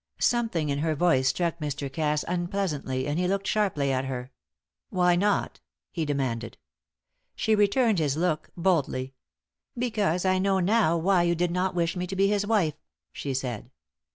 Something in her voice struck Mr. Cass unpleasantly and he looked sharply at her. "Why not?" he demanded. She returned his look boldly. "Because I know now why you did not wish me to be his wife," she said.